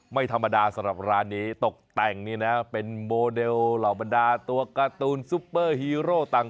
ไม่ธรรมดาสำหรับร้านนี้ตกแต่งนี่นะเป็นโมเดลเหล่าบรรดาตัวการ์ตูนซุปเปอร์ฮีโร่ต่าง